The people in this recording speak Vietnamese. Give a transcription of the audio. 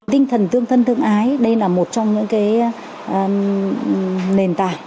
tinh thần thương thân thương ái đây là một trong những nền tài